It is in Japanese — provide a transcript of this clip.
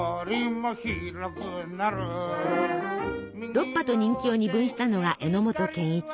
ロッパと人気を二分したのが榎本健一。